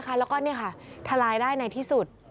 แล้วก็เนี่ยค่ะทะลายได้ในที่สุด